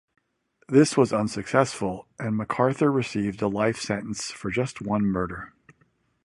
This was unsuccessful and MacArthur received a life sentence for just one murder.